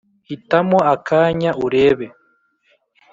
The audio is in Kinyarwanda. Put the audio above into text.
hitamo akanya urebe,